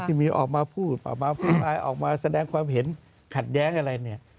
เมียออกมาพูดออกมาพูดอะไรออกมาแสดงความเห็นขัดแย้งอะไรเนี่ย